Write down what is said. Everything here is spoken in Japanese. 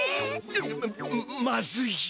ままずい。